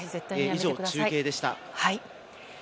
以上、中継でした。